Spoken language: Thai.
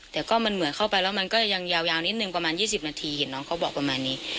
ตอนนั้นตอนที่อยู่ข้างในร้านเบาแดงนี่